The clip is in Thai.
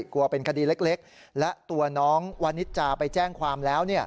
กลัวเป็นคดีเล็กและตัวน้องวานิจาไปแจ้งความแล้ว